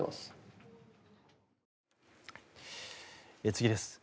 次です。